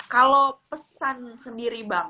kalau pesan sendiri bang